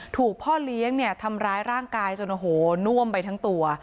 ถูกพ่อเลี้ยงเนี่ยทำร้ายร่างกายจนโอ้โหน่วมไปทั้งตัว